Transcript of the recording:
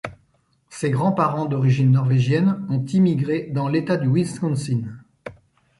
Ses grands-parents d'origine norvégienne ont immigré dans l'État du Wisconsin.